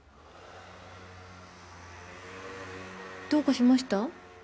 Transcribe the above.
どうかしました？